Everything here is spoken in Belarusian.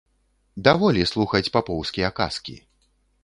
Даволі слухаць папоўскія казкі.